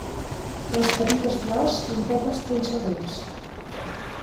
Les petites flors amb pètals punxeguts.